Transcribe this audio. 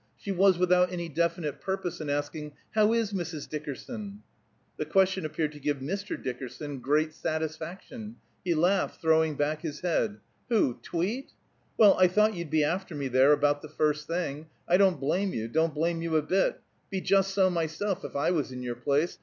She was without any definite purpose in asking, "How is Mrs. Dickerson?" The question appeared to give Mr. Dickerson great satisfaction; he laughed, throwing back his head: "Who, Tweet? Well, I thought you'd be after me there, about the first thing! I don't blame you; don't blame you a bit. Be just so myself, if I was in your place!